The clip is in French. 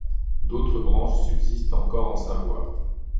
D'autres branches subsistent encore en Savoie.